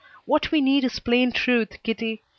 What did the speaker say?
What we need is plain truth, Kitty.